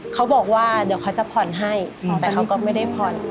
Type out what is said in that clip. เขาบอกว่าเดี๋ยวเขาจะผ่อนให้แต่เขาก็ไม่ได้ผ่อน